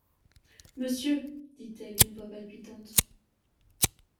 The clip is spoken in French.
Monsieur! dit-elle d’une voix palpitante.